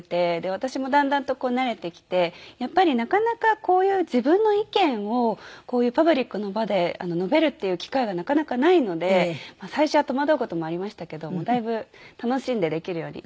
私もだんだんと慣れてきてやっぱりなかなかこういう自分の意見をこういうパブリックの場で述べるっていう機会はなかなかないので最初は戸惑う事もありましたけどもだいぶ楽しんでできるように。